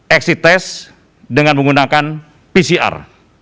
exit test dengan menggunakan pcr